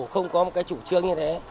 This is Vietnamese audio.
không có một cái chủ trương như thế